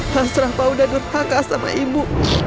mas rafa udah nurhaka sama ibu